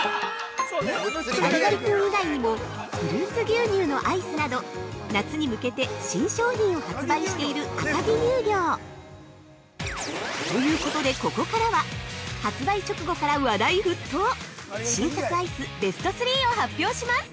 ◆ガリガリ君以外にも、フルーツ牛乳のアイスなど夏に向けて新商品を発売している赤城乳業。ということで、ここからは、発売直後から話題沸騰！新作アイスベスト３を発表します！